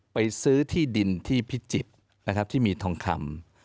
ซื้อที่ดินที่พิจิตรนะครับที่มีทองคำ